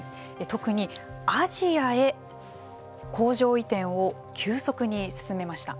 特にアジアへ工場移転を急速に進めました。